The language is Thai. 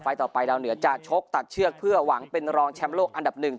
ต่อไปดาวเหนือจะชกตัดเชือกเพื่อหวังเป็นรองแชมป์โลกอันดับหนึ่ง